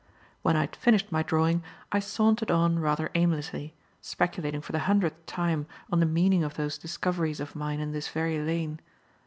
When I had finished my drawing, I sauntered on rather aimlessly, speculating for the hundredth time on the meaning of those discoveries of mine in this very lane.